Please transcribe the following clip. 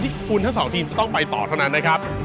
ที่คุณทั้งสองทีมจะต้องไปต่อเท่านั้นนะครับ